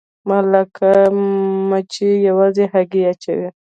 ملکه مچۍ یوازې هګۍ اچوي